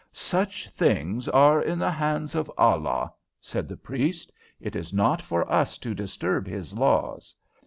"Such things are in the hands of Allah," said the priest. "It is not for us to disturb His laws.